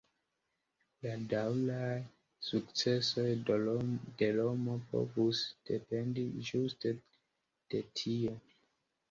La daŭraj sukcesoj de Romo povus dependi ĝuste de tio.